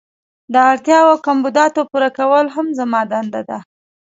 د اړتیاوو او کمبوداتو پوره کول هم زما دنده ده.